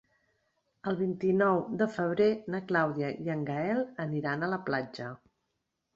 El vint-i-nou de febrer na Clàudia i en Gaël aniran a la platja.